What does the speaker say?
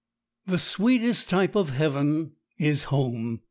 The sweetest type of heaven is home.